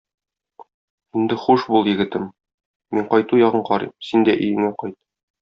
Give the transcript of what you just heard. Инде хуш бул, егетем, мин кайту ягын карыйм, син дә өеңә кайт!